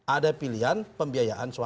ada pilihan pembiayaan ekonomi